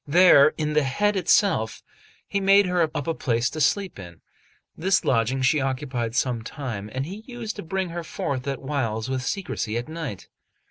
There, in the head itself, he made her up a place to sleep in; this lodging she occupied some time, and he used to bring her forth at whiles with secrecy at night.